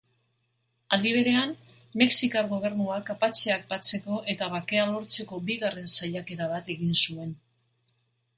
Aldi berean, Mexikar gobernuak apatxeak batzeko eta bakea lortzeko bigarren saiakera bat egin zuen.